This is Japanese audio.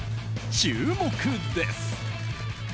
注目です。